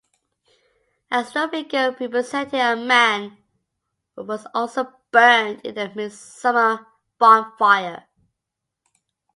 A straw figure representing a man was always burned in the midsummer bonfire.